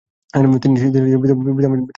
তিনি ছিলেন পিতা-মাতার কনিষ্ঠ সন্তান।